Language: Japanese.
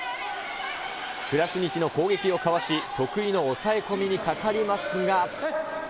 クラスニチの攻撃をかわし、得意の押さえ込みにかかりますが。